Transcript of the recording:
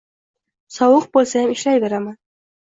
Sovuq bo`lsayam ishlayveraman